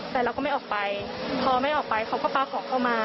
แต่เราก็ไม่ออกไปพอไม่ออกไปเขาก็ปลาของเข้ามา